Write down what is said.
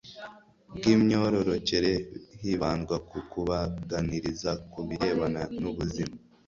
bw imyororokere hibandwa ku kubaganiriza ku birebana n ubuzima